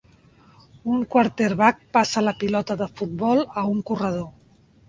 Un quarterback passa la pilota de futbol a un corredor.